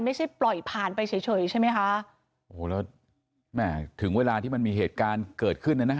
ไม่ใช่ปล่อยผ่านไปเฉยเฉยใช่ไหมคะโอ้โหแล้วแม่ถึงเวลาที่มันมีเหตุการณ์เกิดขึ้นนะนะ